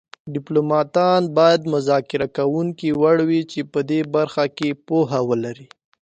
ډیپلوماتان باید مذاکره کوونکي وړ وي چې په دې برخه کې پوهه ولري